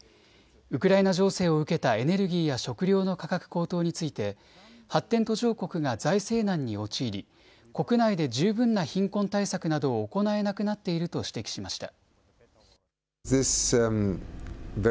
ウクライナ情勢を受けたエネルギーや食料の価格高騰について発展途上国が財政難に陥り国内で十分な貧困対策などを行えなくなっていると指摘しました。